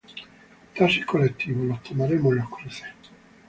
Taxis colectivos: los tomaremos en las cruces.